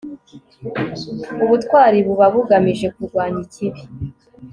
ubutwari buba bugamije kurwanya ikibi